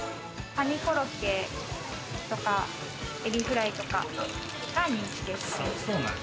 カニコロッケとかエビフライとかが人気です。